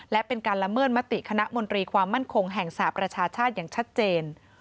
และเป็นการละเมิดมติคณะมนตรีความมั่นคงแห่งสหประชาชาติอย่างชัดเจน